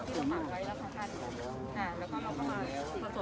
ขอบคุณท่านเนี้ยค่ะอันนี้มีฝั่งที่เราหมายไว้แล้วเข้ากัน